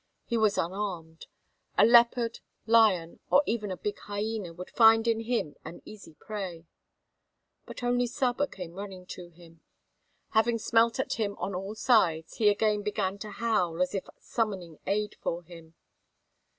He was unarmed. A leopard, lion, or even a big hyena would find in him an easy prey. But only Saba came running to him. Having smelt at him on all sides, he again began to howl, as if summoning aid for him.